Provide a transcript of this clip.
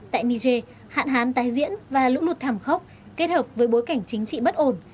tại niger hạn hán tái diễn và lũ lụt thảm khốc kết hợp với bối cảnh chính trị bất ổn